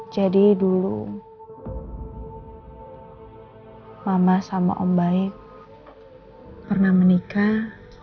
jadi dulu mama sama om baik pernah menikah